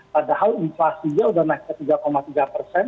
padahal inflasinya sudah naik ke tiga tiga persen